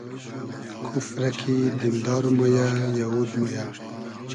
کوفرۂ کی دیندار مۉ یۂ , یئوود مۉ یۂ